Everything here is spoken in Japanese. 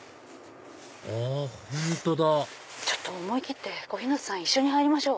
あ本当だ思い切って小日向さん一緒に入りましょう。